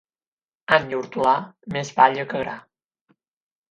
Any hortolà, més palla que gra.